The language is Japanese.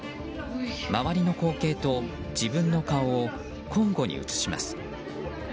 周りの光景と自分の顔を交互に映します。